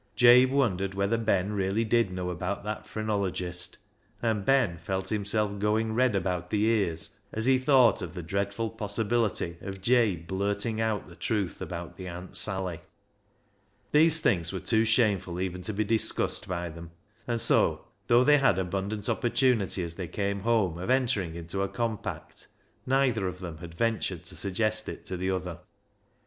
Jabe wondered whether Ben really did know about that phrenologist, and Ben felt himself going red about the ears as he thought of the dreadful possibility of Jabe blurting out the truth about the " Aunt Sally." These things were too shameful even to be discussed by them, and so, though they had abundant opportunity as they came home of entering into a compact, neither of them had ventured to suggest it to the other.